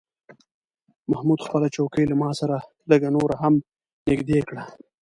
محمود خپله چوکۍ له ما سره لږه نوره هم نږدې کړه.